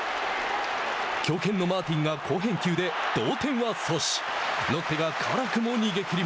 強肩のマーティンが好返球で同点は阻止。